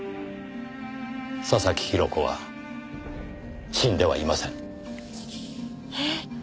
佐々木広子は死んではいません。えっ？